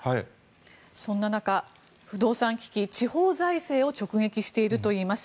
そんな中、不動産危機地方財政を直撃しているといいます。